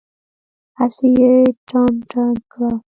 هسې یې ټانټه کړه.